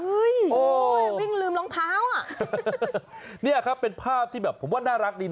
โอ้โหวิ่งลืมรองเท้าอ่ะเนี่ยครับเป็นภาพที่แบบผมว่าน่ารักดีนะ